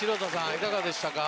いかがでしたか？